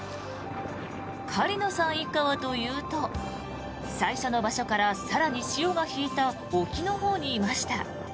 狩野さん一家はというと最初の場所から更に潮が引いた沖のほうにいました。